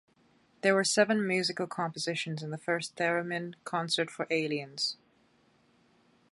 There were seven musical compositions in the First Theremin Concert for Aliens.